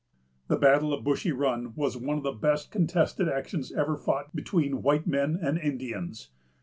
The battle of Bushy Run was one of the best contested actions ever fought between white men and Indians.